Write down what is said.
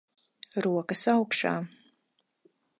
Rokas augšā.